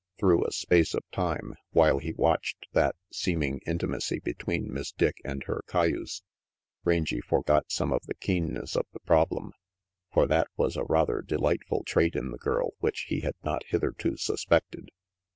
Through a space of time, while he watched that seeming intimacy between Miss Dick and her cayuse, Rangy forgot some of the keenness of the problem, for that was a rather delightful trait in the girl which he had not hitherto suspected.